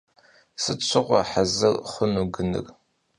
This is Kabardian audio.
Sıt şığue hezır xhunu gınır?